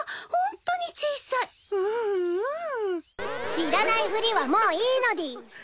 知らないふりはもういいのでぃす。